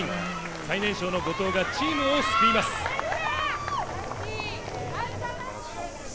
最年少の後藤がチームを救います。